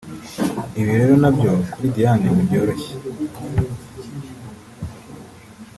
Ibi rero na byo kuri Diane ntibyoroshye